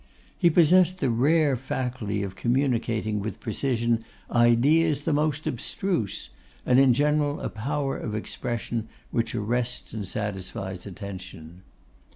He possessed the rare faculty of communicating with precision ideas the most abstruse, and in general a power of expression which arrests and satisfies attention.